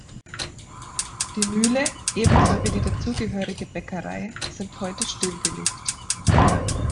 Die Mühle, ebenso wie die dazugehörige Bäckerei sind heute stillgelegt.